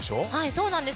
そうなんです。